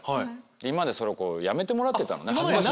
今までやめてもらってたのね。